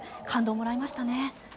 感動をもらいましたね。